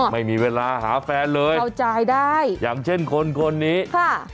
ไม่มีเวลาหาแฟนเลยเข้าใจได้อย่างเช่นคนคนนี้ค่ะ